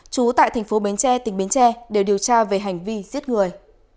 chú tại thành phố bến tre tỉnh bến tre đều điều tra về hành vi giết người